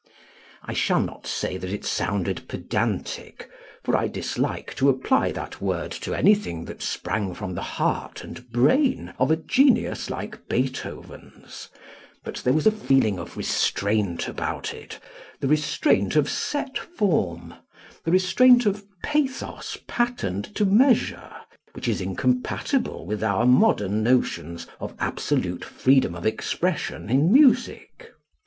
I shall not say that it sounded pedantic, for I dislike to apply that word to anything that sprang from the heart and brain of a genius like Beethoven's, but there was a feeling of restraint about it the restraint of set form, the restraint of pathos patterned to measure, which is incompatible with our modern notions of absolute freedom of expression in music.